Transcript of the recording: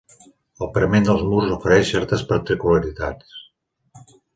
El parament dels murs ofereix certes particularitats.